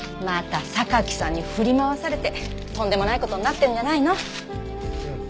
また榊さんに振り回されてとんでもない事になってるんじゃないの？